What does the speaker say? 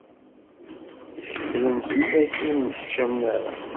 Tteklen fell-ak, ur nneḥcamen ara.